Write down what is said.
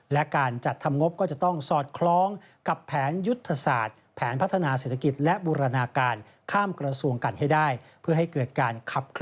และการจัดทำงบก็จะต้องซอดคล้องกับแผนยุทธศาสตร์